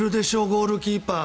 ゴールキーパー。